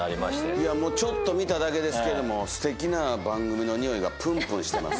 いやもうちょっと見ただけですけどもすてきな番組の匂いがぷんぷんしてます。